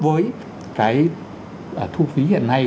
với cái thu phí hiện nay